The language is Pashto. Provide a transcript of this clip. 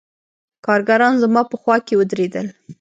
کارګران زما په خوا کښې ودرېدل.